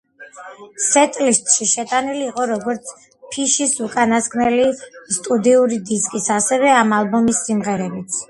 სეტლისტში შეტანილი იყო როგორც ფიშის უკანასკნელი სტუდიური დისკის, ასევე ამ ალბომის სიმღერებიც.